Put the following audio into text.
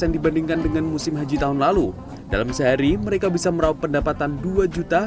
dibandingkan dengan musim haji tahun lalu dalam sehari mereka bisa meraup pendapatan dua juta